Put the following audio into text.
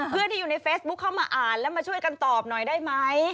ที่อยู่ในเฟซบุ๊คเข้ามาอ่านแล้วมาช่วยกันตอบหน่อยได้ไหม